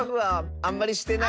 あんまりしてない。